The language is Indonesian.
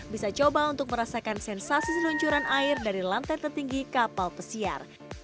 bisa coba untuk merasakan sensasi seluncuran air dari lantai tertinggi kapal pesiar